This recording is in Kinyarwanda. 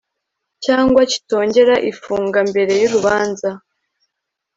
cyangwa kitongera ifungwa mbere y urubanza